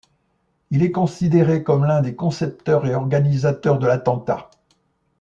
Il est considéré comme l'un des concepteurs et organisateurs de l'attentat.